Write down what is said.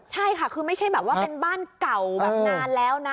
ใช่ค่ะคือไม่ใช่แบบว่าเป็นบ้านเก่าแบบนานแล้วนะ